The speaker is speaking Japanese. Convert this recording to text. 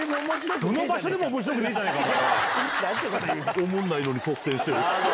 おもんないのに率先してる。